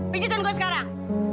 mijetin gue sekarang